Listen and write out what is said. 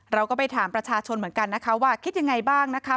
เราก็ไปถามประชาชนเหมือนกันนะคะว่าคิดยังไงบ้างนะคะ